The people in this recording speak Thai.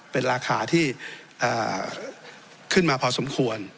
เป็นราคาที่ขึ้นมาพอสมควร